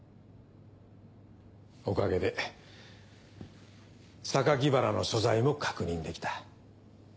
おかげで原の所在も確認できた。